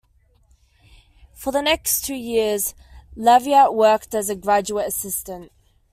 For the next two years, Leavitt worked as a graduate assistant.